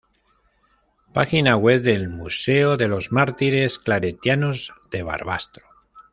Página web del Museo de los Mártires Claretianos de Barbastro